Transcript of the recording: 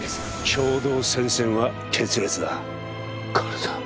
共同戦線は決裂だ薫さん